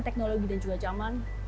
itu yang hanya sadar